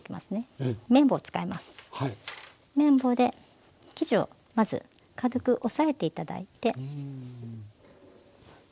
麺棒で生地をまず軽く押さえて頂いて。